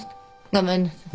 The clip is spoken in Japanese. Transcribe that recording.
ごめんなさい。